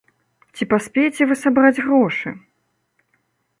Ці паспееце вы сабраць грошы?